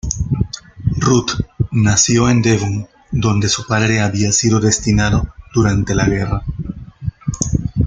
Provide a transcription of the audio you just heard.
Ruth nació en Devon donde su padre había sido destinado durante la guerra.